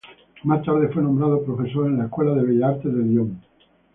Más tarde, fue nombrado profesor a la Escuela de Bellas Artes de Lyon.